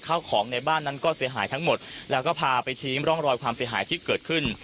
ข้าวของในบ้านนั้นก็เสียหายทั้งหมดแล้วก็พาไปชี้ร่องรอยความเสียหายที่เกิดขึ้น